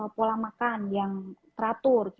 pola makan yang teratur